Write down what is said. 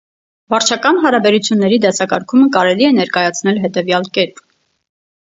Վարչական հարաբերությունների դասակարգումը կարելի է ներկայացնել հետևյալ կերպ։